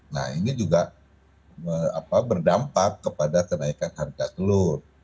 nah ini juga berdampak kepada kenaikan harga telur